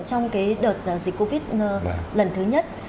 trong cái đợt dịch covid lần thứ nhất